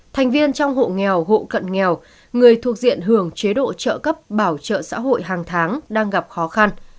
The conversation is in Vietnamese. thành viên trong hộ nghèo hộ cận nghèo người thuộc diện hưởng chế độ trợ cấp bảo trợ xã hội hàng tháng đang gặp khó khăn